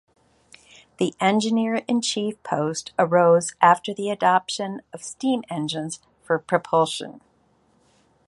The Engineer-in-Chief post arose after the adoption of steam engines for propulsion.